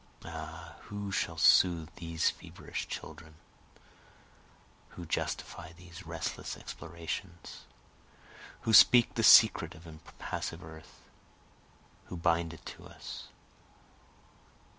Ah who shall soothe these feverish children? Who Justify these restless explorations? Who speak the secret of impassive earth? Who bind it to us?